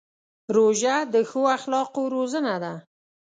روژه د ښو اخلاقو روزنه ده.